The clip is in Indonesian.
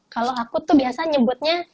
kalau aku tuh biasa nyebutnya